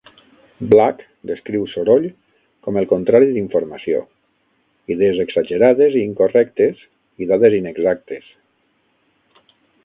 Black descriu 'soroll' com el contrari d'informació: idees exagerades i incorrectes, i dades inexactes.